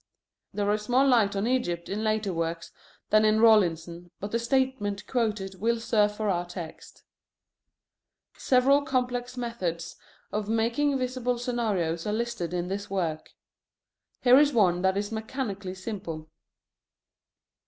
There is more light on Egypt in later works than in Rawlinson, but the statement quoted will serve for our text. Several complex methods of making visible scenarios are listed in this work. Here is one that is mechanically simple.